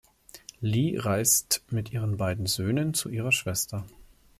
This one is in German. Lee reist mit ihren beiden Söhnen zu ihrer Schwester.